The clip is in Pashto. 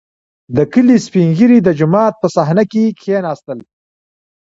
• د کلي سپین ږیري د جومات په صحنه کښېناستل.